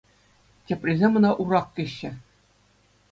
Теприсем ӑна Урак теҫҫӗ.